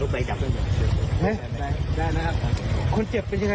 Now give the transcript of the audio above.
ผมเดินรถอยู่ใต้ค้องรถคุณชงนั้น